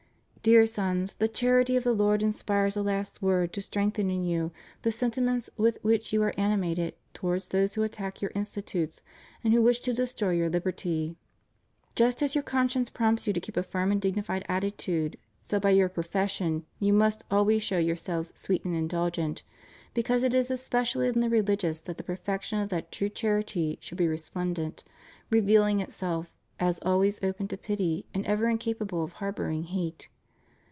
Dear sons, the charity of the Lord inspires a last word to strengthen in you the sentiments with which you are animated towards those who attack your institutes and who wish to destroy your liberty. Just as your con science prompts you to keep a firm and dignified attitude, so by your profession, you must always show yourselves sweet and indulgent ; because it is especially in the rehgious that the perfection of that true charity should be resplen dent, revealing itself, as always open to pity, and ever incapable of harboring hate.